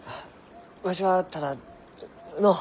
わしはただのう。